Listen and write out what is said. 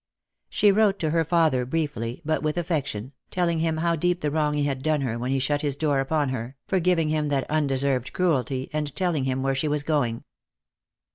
She wrote to her father briefly, but with affection, telling him how deep a wrong he had done her when he shut his door upon her, forgiving him that uudeserved cruelty, and telling him where she was going.